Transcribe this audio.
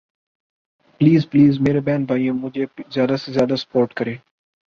please please میرے بہن بھائیوں مجھے زیادہ سے زیادہ سپورٹ کریں